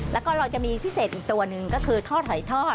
แล้วก็เราจะมีพิเศษอีกตัวหนึ่งก็คือทอดหอยทอด